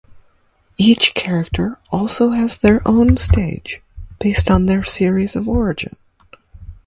Each character also has their own stage based on their series of origin.